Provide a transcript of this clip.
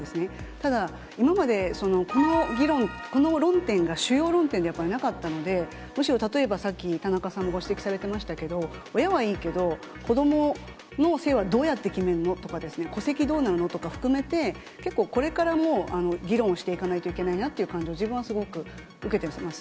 ただ、今までこの議論、この論点が主要論点でやっぱり、なかったので、むしろ例えば、さっき田中さん、ご指摘されていましたけれども、親はいいけど、子どもの姓はどうやって決めるのとかですね、戸籍どうなるのとか含めて、結構これからも議論をしていかないといけないなという感じを、自分はすごく受けてます。